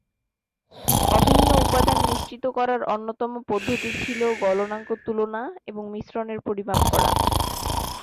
অভিন্ন উপাদান নিশ্চিত করার অন্যতম পদ্ধতি ছিল গলনাঙ্ক তুলনা এবং মিশ্রণের পরিমাপ করা।